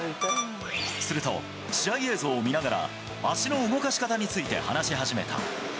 すると、試合映像を見ながら、足の動かし方について話し始めた。